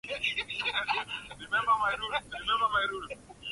kama wanakabiliwa na vitisho kwa uhai wao